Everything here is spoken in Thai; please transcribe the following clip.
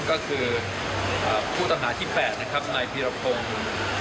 กลุ่มผู้ตังหาที่กระพัดมาในครั้งนี้